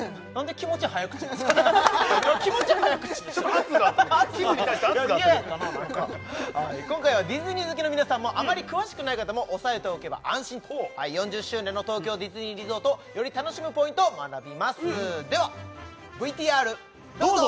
気持ち早口でした圧がきむに対して圧があったけど今回はディズニー好きの皆さんもあまり詳しくない方も押さえておけば安心４０周年の東京ディズニーリゾートをより楽しむポイントを学びますではＶＴＲどうぞ！